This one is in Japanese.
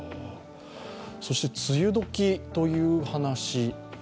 そして梅雨どきという話。